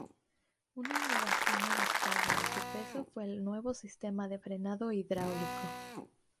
Una innovación adaptada a su peso fue el nuevo sistema de frenado hidráulico.